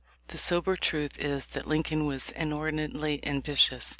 The sober truth is that Lincoln was inordinately ambitious.